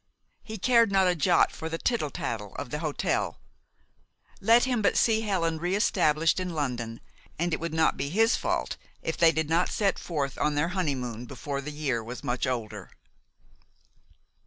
He cared not a jot for the tittle tattle of the hotel. Let him but see Helen re established in London, and it would not be his fault if they did not set forth on their honeymoon before the year was much older.